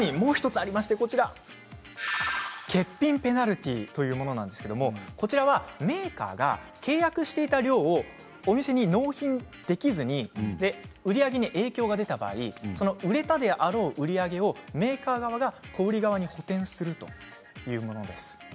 さらに欠品ペナルティーというものなんですがこちらはメーカーが契約していた量をお店に納品できずに売り上げに影響が出た場合売れたであろう売り上げをメーカー側が小売り側に補填するというものです。